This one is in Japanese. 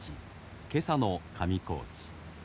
今朝の上高地。